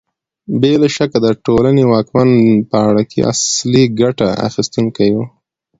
بې له شکه د ټولنې واکمن پاړکي اصلي ګټه اخیستونکي وو